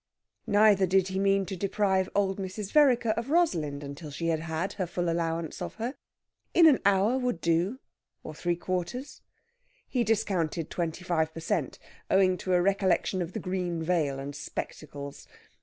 Neither did he mean to deprive old Mrs. Vereker of Rosalind until she had had her full allowance of her. In an hour would do or three quarters. He discounted twenty five per cent., owing to a recollection of the green veil and spectacles.